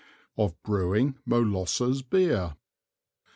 Of Brewing Molosses Beer.